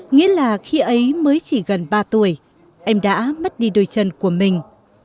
nghĩa là khi ấy mới chỉ gần ba tuổi em đã mất đi đôi chân của mình